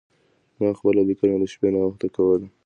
ما خپله لیکنه د شپې ناوخته کوله.